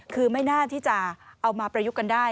คือไม่น่าที่จะเอามาประยุกต์กันได้